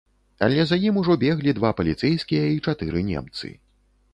Але за ім ужо беглі два паліцэйскія і чатыры немцы.